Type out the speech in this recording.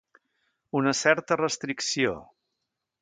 Una certa restricció.